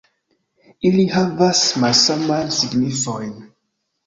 Ili havas malsamajn signifojn.